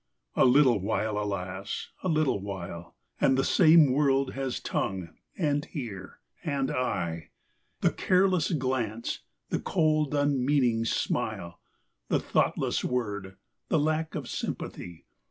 XXXVII. A little while, alas ! a little while. And the same world has tongue, and ear, and eye. The careless glance, the cold unmeaning smile, The thoughtless word, the lack of sympathy